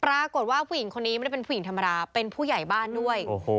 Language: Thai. ปรากฏว่าผู้หญิงคนนี้ไม่ได้เป็นผู้หญิงธรรมดาเป็นผู้ใหญ่บ้านด้วย